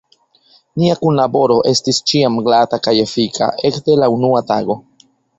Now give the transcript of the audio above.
Nia kunlaboro estis ĉiam glata kaj efika, ekde la unua tago.